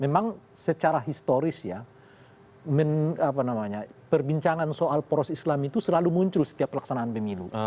memang secara historis ya perbincangan soal poros islam itu selalu muncul setiap pelaksanaan pemilu